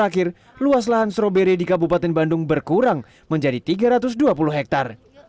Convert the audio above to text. kabupaten bandung berkurang menjadi tiga ratus dua puluh hektare